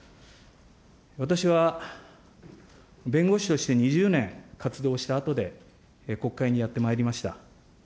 私は弁護士として２０年、活動したあとで、国会にやってまいりました。